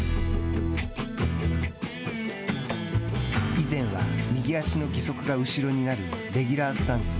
以前は右足の義足が後ろになる「レギュラースタンス」。